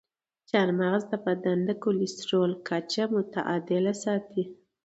چارمغز د بدن د کلسترول کچه متعادله ساتي.